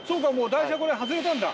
台車これ外れてるんだ。